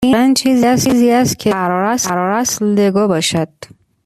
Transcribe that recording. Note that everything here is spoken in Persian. این دقیقا چیزی است که قرار است لگو باشد.